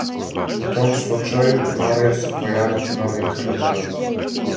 У том случају, морају се појавити нови кандидати.